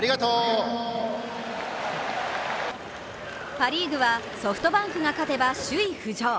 パ・リーグはソフトバンクが勝てば首位浮上。